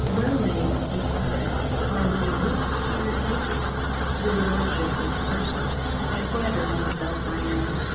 "Well, knave," he cried, "are my looks to your taste?" "Your lordship is perfect." "I flatter myself I am.